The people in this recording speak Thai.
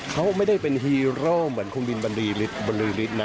เขาไม่ได้เป็นฮีโร่เหมือนคุณบินบรรลือฤทธิ์นะ